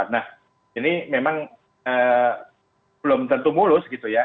nah ini memang belum tentu mulus gitu ya